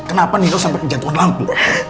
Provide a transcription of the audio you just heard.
kenapa nino sampai penjatuhan lampu